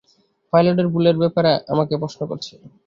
পাইলটের ভুলের ব্যাপারে আমাকে প্রশ্ন করছে।